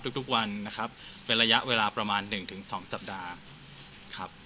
ทุกทุกวันนะครับเป็นระยะเวลาประมาณหนึ่งถึงสองสัปดาห์ครับ